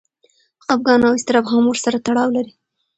خپګان او اضطراب هم ورسره تړاو لري.